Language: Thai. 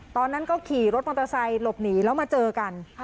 ตอนนั้นก็ขี่รถมอเตอร์ไซค์หลบหนีแล้วมาเจอกัน